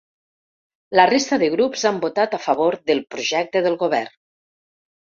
La resta de grups han votat a favor del projecte del govern.